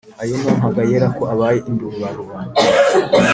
Ayo nonkaga yera Ko Abaye indubaruba